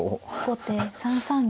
後手３三銀。